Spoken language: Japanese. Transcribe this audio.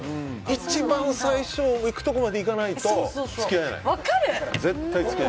一番最初いくところまでいかないと付き合えない。